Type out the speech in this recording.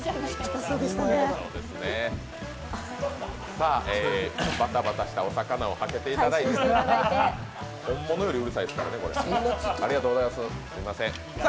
さあ、バタバタしたお魚をはけていただいて、本物よりうるさいですからね。